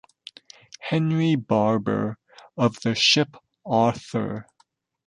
Henry Barber, of the ship "Arthur".